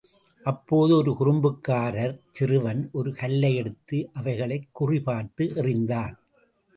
அப்போது ஒரு குறும்புக்காரச் சிறுவன் ஒரு கல்லை எடுத்து அவைகளைக் குறி பார்த்து எறிந்தான்.